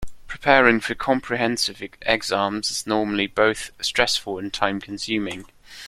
Preparing for comprehensive exams is normally both stressful and time consuming.